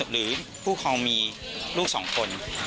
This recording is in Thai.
หรือผู้ครองมีลูก๒คน